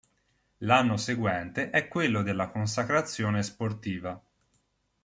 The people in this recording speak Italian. L'anno seguente è quello della consacrazione sportiva.